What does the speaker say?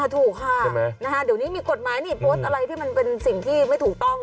ถูกค่ะเดี๋ยวนี้มีกฎหมายนี่โพสต์อะไรที่มันเป็นสิ่งที่ไม่ถูกต้อง